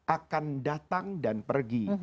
akan datang dan pergi